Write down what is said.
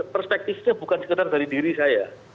perspektifnya bukan sekedar dari diri saya